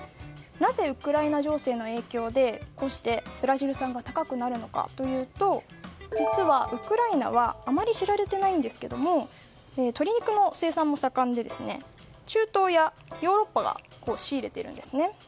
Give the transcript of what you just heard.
なぜウクライナ情勢の影響でこうしてブラジル産が高くなるのかというと実は、ウクライナはあまり知られていないんですが鶏肉の生産も盛んで中東やヨーロッパが仕入れているんですね。